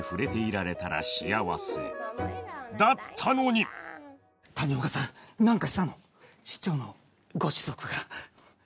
だったのに谷岡さん何かしたの？市長のご子息が。